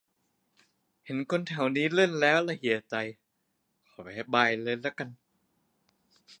เห็นคนแถวนี้เล่น แล้วละเหี่ยใจ ขอแพ้บาย